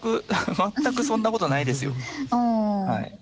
全くそんなことはないですよ。